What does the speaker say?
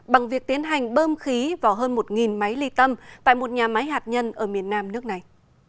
bằng việc tiến hành bơm khí vào hơn một máy ly tâm tại một nhà máy hạt nhân ở miền nam nước này